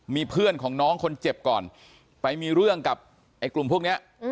มีเพื่อนของน้องคนเจ็บก่อนไปมีเรื่องกับไอ้กลุ่มพวกนี้